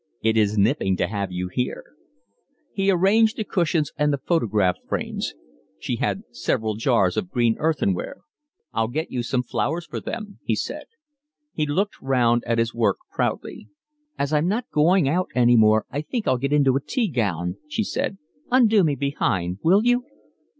"It is nipping to have you here." He arranged the cushions and the photograph frames. She had several jars of green earthenware. "I'll get you some flowers for them," he said. He looked round at his work proudly. "As I'm not going out any more I think I'll get into a tea gown," she said. "Undo me behind, will you?"